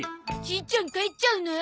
じいちゃん帰っちゃうの？